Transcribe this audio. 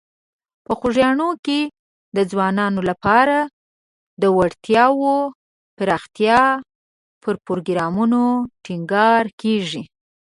په خوږیاڼي کې د ځوانانو لپاره د وړتیاوو پراختیا پر پروګرامونو ټینګار کیږي.